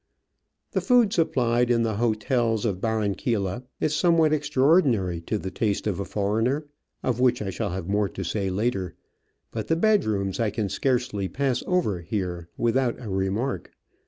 The food supplied in the hotels of Barranquilla is somewhat extraordinary to the taste of a foreigner — of which I shall have more to say later — but the bedrooms I can scarcely pass over here without a remark.